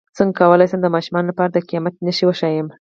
څنګه کولی شم د ماشومانو لپاره د قیامت نښې وښایم